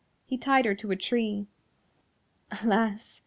He tied her to a tree. Alas!